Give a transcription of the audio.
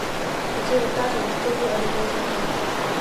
که چېرې تاسې د سترګو اړیکه وساتئ